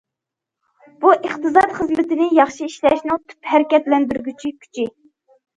بۇ ئىقتىساد خىزمىتىنى ياخشى ئىشلەشنىڭ تۈپ ھەرىكەتلەندۈرگۈچى كۈچى.